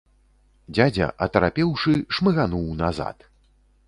Дзядзя, атарапеўшы, шмыгануў назад.